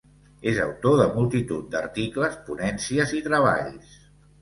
És autor de multitud d'articles, ponències i treballs.